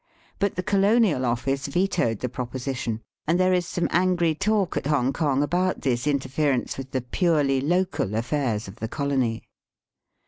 But the Colonial Office vetoed the proposition, aind there is some angry talk at Hongkong about this interference with the purely local affairs of the colony.